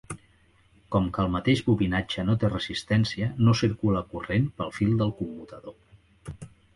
Com que el mateix bobinatge no té resistència, no circula corrent pel fil del commutador.